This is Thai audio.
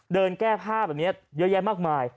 เดินแก้ผ้าแบบนี้เยอะแยะมากมาย